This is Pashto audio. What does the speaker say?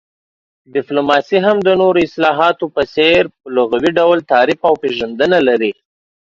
ډيپلوماسي هم د نورو اصطلاحاتو په څير په لغوي ډول تعريف او پيژندنه لري